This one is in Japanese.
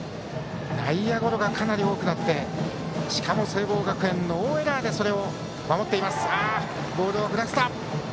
内野ゴロがかなり多くなってしかも聖望学園ノーエラーでそれを守っています。